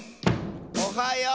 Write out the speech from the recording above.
「おはよう！」